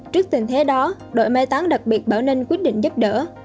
trước tình thế đó đội mai tán đặc biệt bảo ninh quyết định giúp đỡ